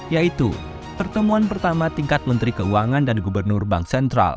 yaitu pertemuan pertama tingkat menteri keuangan dan gubernur bank sentral